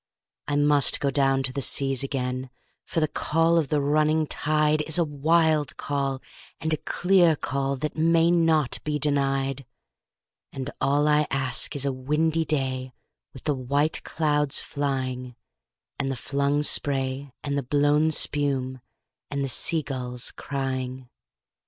I must down go to the seas again, for the call of the running tide Is a wild call and a clear call that may not be denied; And all I ask is a windy day with the white clouds flying, And the flung spray and the blown spume, and the sea gulls crying.